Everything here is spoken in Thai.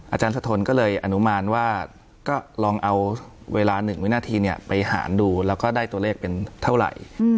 อาจารย์สะทนก็เลยอนุมานว่าก็ลองเอาเวลา๑วินาทีไปหารดูแล้วก็ได้ตัวเลขเป็นเท่าไหร่